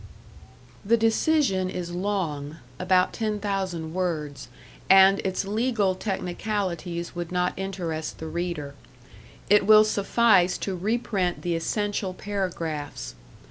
The decision is long about ten thousand words, and its legal technicalities would not interest the reader. It will suffice to reprint the essential paragraphs.